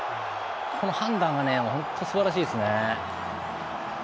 この判断がね本当すばらしいですね。